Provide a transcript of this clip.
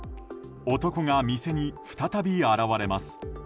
男が店に再び現れます。